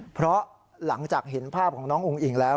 เพราะหลังจากเห็นภาพของน้องอุ้งอิ่งแล้ว